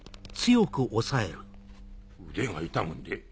腕が痛むんで？